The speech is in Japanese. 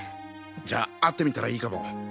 じゃあ会ってみたらいいかも。